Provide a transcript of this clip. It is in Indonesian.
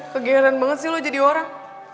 kegeren banget sih lo jadi orang